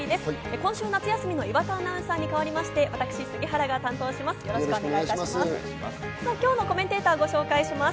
今週夏休みの岩田アナウンサーに代わりまして、私杉原が担当します。